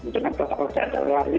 dengan protokol kesehatan